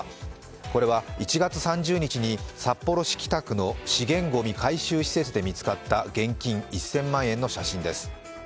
これは１月３０日に札幌市北区の資源ごみ回収施設で見つかった現金１０００万円の写真です。